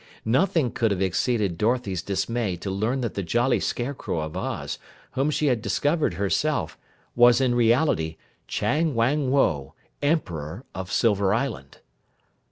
Nothing could have exceeded Dorothy's dismay to learn that the jolly Scarecrow of Oz, whom she had discovered herself, was in reality Chang Wang Woe, Emperor of Silver Island.